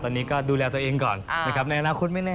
ตอนนี้ก็ดูแลตัวเองก่อนนะครับในอนาคตไม่แน่